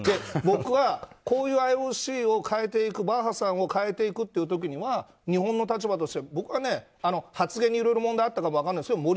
僕はこういうＩＯＣを変えていくバッハさんを変えていくという時は日本の立場として僕は、発言にいろいろ問題あったか分からないですよ。